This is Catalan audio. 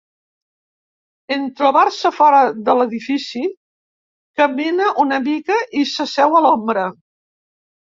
En trobar-se fora de l'edifici camina una mica i s'asseu a l'ombra.